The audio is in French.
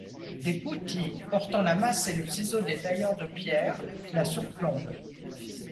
Des putti portant la masse et le ciseau des tailleurs de pierres la surplombent.